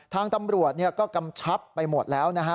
ทางตำรวจก็กำชับไปหมดแล้วนะฮะ